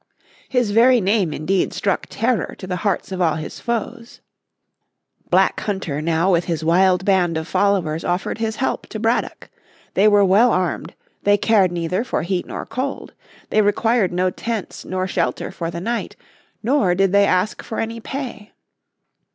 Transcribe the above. His very name indeed struck terror to the hearts of all his foes. Black Hunter now with his wild band of followers offered his help to Braddock. They were well armed, they cared neither for heat nor cold. they required no tents nor shelter for the night; not did they ask for any pay.